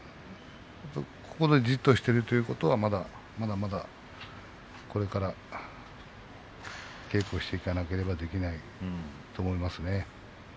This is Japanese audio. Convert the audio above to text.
ここでじっとしているということはまだまだこれから稽古をしていかなければできないと思いますね。